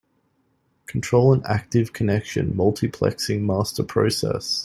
Control an active connection multiplexing master process.